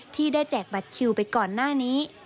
ที่ได้แจกบัตรคิวไปก่อนหน้านี้